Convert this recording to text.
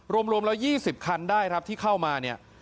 รวมแล้ว๒๐คันได้ครับที่เข้ามาเนี่ย